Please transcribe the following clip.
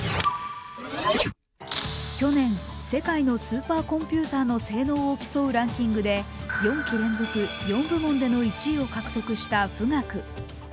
去年世界のスーパーコンピューターの性能を競うランキングで、４期連続４部門での１位を獲得した富岳。